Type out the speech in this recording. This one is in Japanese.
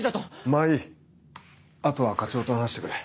まぁいいあとは課長と話してくれ。